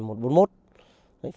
phối hợp với nhau tỉnh quân dân